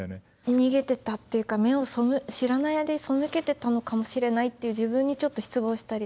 逃げてたっていうか目を知らない間に背けてたのかもしれないっていう自分にちょっと失望したりとか。